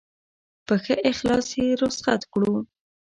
په ښه اخلاص یې رخصت کړو.